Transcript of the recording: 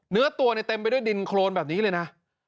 เนื้อตัวในเต็มไปด้วยดินโครนแบบนี้เลยนะ